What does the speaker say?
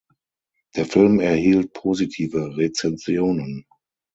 Der Film erhielt positive Rezensionen.